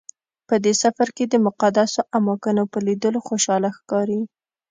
په دې سفر او د مقدسو اماکنو په لیدلو خوشحاله ښکاري.